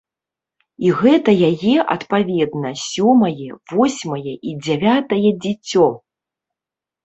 І гэта яе, адпаведна, сёмае, восьмае і дзявятае дзіцё!